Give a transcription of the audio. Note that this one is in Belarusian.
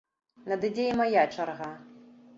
Надыдзе і мая чарга.